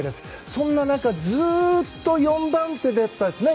そんな中、ずっと４番手だったんですね